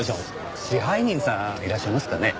支配人さんいらっしゃいますかね？